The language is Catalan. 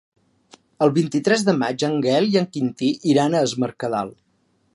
El vint-i-tres de maig en Gaël i en Quintí iran a Es Mercadal.